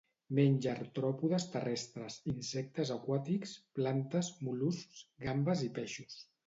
Menja artròpodes terrestres, insectes aquàtics, plantes, mol·luscs, gambes i peixos.